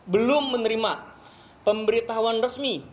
belum menerima pemberitahuan resmi